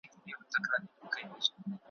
د تاريخي څېړني او تحقيق طريقه مي